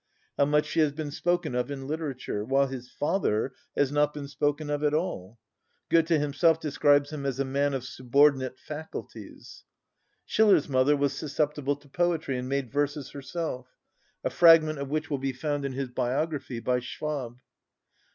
How much she has been spoken of in literature! while his father has not been spoken of at all; Goethe himself describes him as a man of subordinate faculties. Schiller's mother was susceptible to poetry, and made verses herself, a fragment of which will be found in his biography by Schwab.